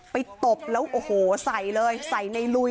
ตบแล้วโอ้โหใส่เลยใส่ในลุย